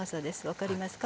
分かりますか？